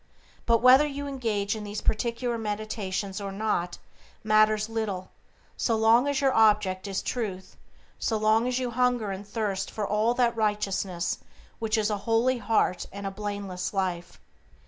But whether you engage in these particular meditations or not matters little so long as your object is Truth, so long as you hunger and thirst for that righteousness which is a holy heart and a blameless life.